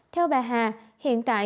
theo bà hà hiện tại